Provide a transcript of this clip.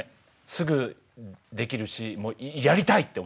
すぐできるしやりたいって思った。